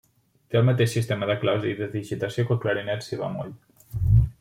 Té el mateix sistema de claus i de digitació que el Clarinet Si bemoll.